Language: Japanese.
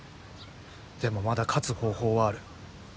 でもまだ勝つ方法はある。